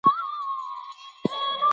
څېړنې ښيي تر پنځوس سلنه ونې په خطر کې دي.